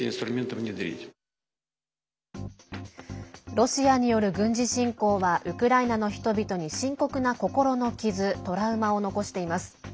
ロシアによる軍事侵攻はウクライナの人々に深刻な心の傷、トラウマを残しています。